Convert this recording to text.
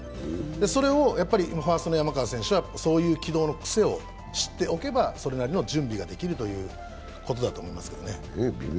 それをファーストの山川選手はそういう軌道のくせを知っておけばそれなりの準備ができるということだと思いますけどね。